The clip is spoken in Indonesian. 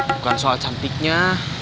bukan soal cantiknya